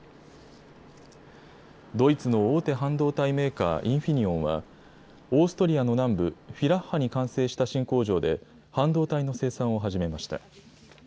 ドイツの大手半導体メーカー、インフィニオンは、オーストリアの南部フィラッハに完成した新工場で、半導体の生産を始めました。